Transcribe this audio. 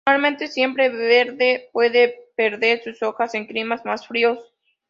Normalmente siempre verde, puede perder sus hojas en climas más fríos.